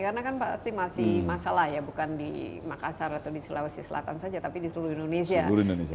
karena kan masih masalah ya bukan di makassar atau di sulawesi selatan saja tapi di seluruh indonesia